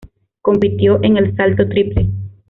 Compitió en el salto triple.